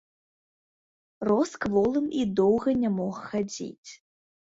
Рос кволым і доўга ня мог хадзіць.